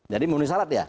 jadi memenuhi syarat ya